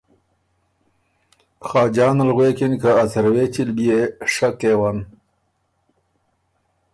خاجان ال غوېکِن که ا څروېچی ل بيې شۀ کېون۔